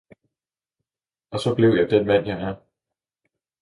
– og så blev jeg den mand jeg er!